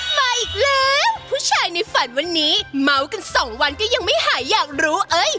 มาอีกแล้วผู้ชายในฝันวันนี้เมาส์กันสองวันก็ยังไม่หายอยากรู้เอ้ย